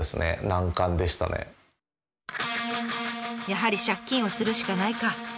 やはり借金をするしかないか。